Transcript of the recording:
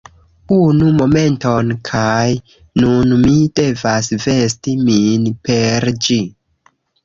Unu momenton kaj nun mi devas vesti min per ĝi